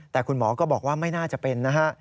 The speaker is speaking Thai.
แต่คุณหมอก็บอกว่าไม่น่าจะเป็นนะฮะ